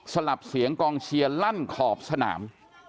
ลับเสียงกองเชียร์ลั่นขอบสนาม